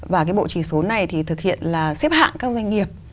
và cái bộ chỉ số này thì thực hiện là xếp hạng các doanh nghiệp